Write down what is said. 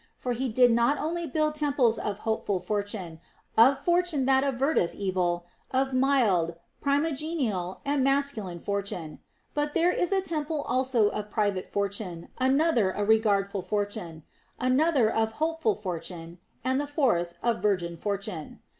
For he did not only build temples of Hopeful Fortune, of Fortune that averteth evil, of Mild, Primogenial, and Masculine Fortune ; but there is a temple also of Private Fortune, another of Regardful Fortune, another of Hopeful Fortune, and the fourth of Virgin Fortune.